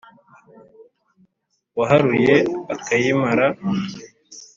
waharuye akayimara.